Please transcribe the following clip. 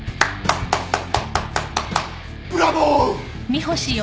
ブラボー！